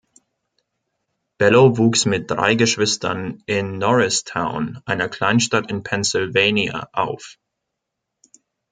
Bello wuchs mit drei Geschwistern in Norristown, einer Kleinstadt in Pennsylvania, auf.